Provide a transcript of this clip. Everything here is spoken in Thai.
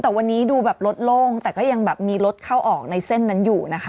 แต่วันนี้ดูแบบรถโล่งแต่ก็ยังแบบมีรถเข้าออกในเส้นนั้นอยู่นะคะ